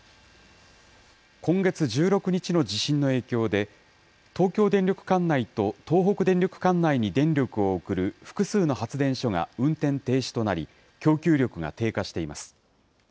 今月１６日の地震の影響で、東京電力管内と東北電力管内に電力を送る複数の発電所が運転停止となり、供給力が低下しています。